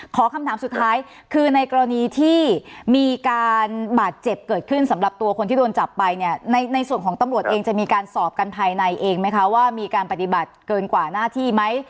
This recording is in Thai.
คำถามสุดท้ายคือในกรณีที่มีการบาดเจ็บเกิดขึ้นสำหรับตัวคนที่โดนจับไปเนี่ยในส่วนของตำรวจเองจะมีการสอบกันภายในเองไหมคะว่ามีการปฏิบัติเกินกว่าหน้าที่ไหม